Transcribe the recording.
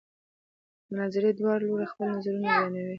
د مناظرې دواړه لوري خپل نظرونه بیانوي.